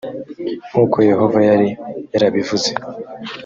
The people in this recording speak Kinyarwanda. nk uko yehova yari yarabivuze